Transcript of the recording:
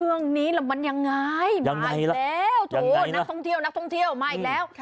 เรื่องนี้มันยังไงมาอีกแล้วนักท่องเที่ยวมาอีกแล้ว